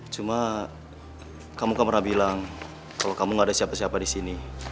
cuma kamu kan pernah bilang kalau kamu gak ada siapa siapa disini